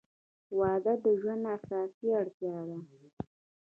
• واده د ژوند اساسي اړتیا ده.